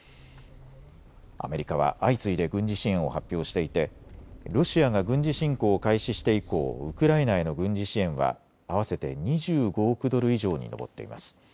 アメリカは相次いで軍事支援を発表していてロシアが軍事侵攻を開始して以降、ウクライナへの軍事支援は合わせて２５億ドル以上に上っています。